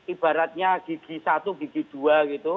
ibaratnya gigi satu gigi dua gitu